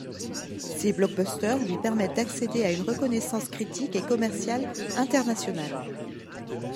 Ces blockbusters lui permettent d'accéder à une reconnaissance critique et commerciale internationale.